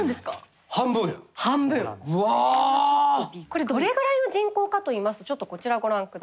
これどれぐらいの人口かといいますとちょっとこちらをご覧ください。